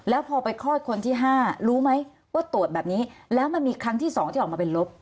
แล้วพอไปคลอดคนที่๕รู้ไหมว่าตรวจแบบนี้แล้วมันมีครั้งที่๒ที่ออกมาเป็นลบ